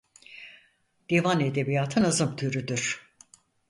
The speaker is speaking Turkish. Divan edebiyatı nazım türüdür.